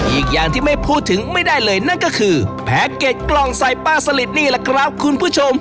อีกอย่างที่ไม่พูดถึงไม่ได้เลยนั่นก็คือแพ็คเก็ตกล่องใส่ป้าสลิดนี่แหละครับคุณผู้ชม